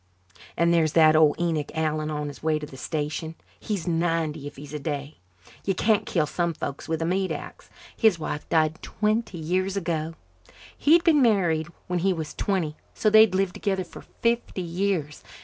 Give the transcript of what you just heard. "And there's that old Enoch Allan on his way to the station. He's ninety if he's a day. You can't kill some folks with a meat axe. His wife died twenty years ago. He'd been married when he was twenty so they'd lived together for fifty years.